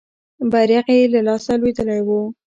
بیرغ یې له لاسه لوېدلی وو.